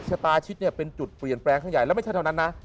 ชะตาชิดเนี่ยเป็นจุดเปลี่ยนแปลงข้างใหญ่แล้วไม่ใช่เท่านั้นนะ